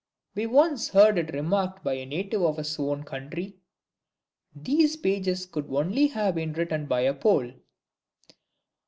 We once heard it remarked by a native of his own country: "these pages could only have been written by a Pole."